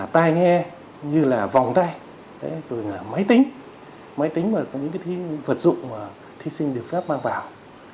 tài nghe như là vòng tay máy tính máy tính và những vật dụng thí sinh được phép mang vào